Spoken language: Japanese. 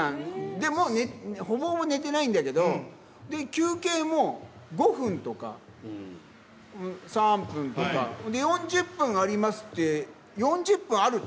で、もうほぼほぼ寝てないんだけど、休憩も５分とか、３分とか、４０分ありますって、４０分ある？